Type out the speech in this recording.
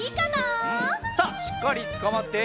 さっしっかりつかまって！